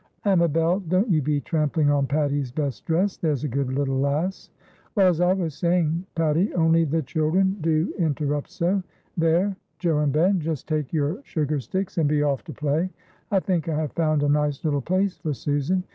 "Amabel, don't you be trampling on Patty's best dress, there's a good little lass. Well, as I was saying, Patty, only the children do interrupt so. There, Joe and Ben, just take your sugar sticks and be off to play. I think I have found a nice little place for Susan.